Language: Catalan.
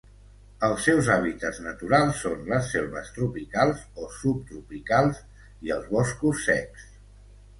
Els seus hàbitats naturals són les selves tropicals o subtropicals i els boscos secs.